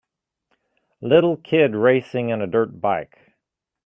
Little kid racing in a dirt bike